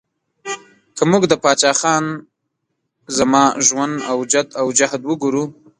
که موږ د پاچا خان زما ژوند او جد او جهد وګورو